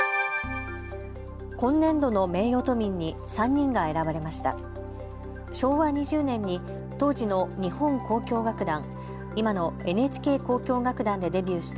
今年度の名誉都民に３人が選ばれました。